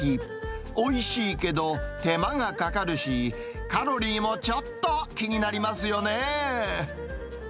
おいしいけど、手間がかかるし、カロリーもちょっと気になりますよね。